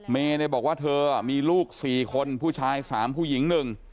เมย์ได้บอกว่าเธอมีลูก๔คนผู้ชาย๓ผู้หญิง๑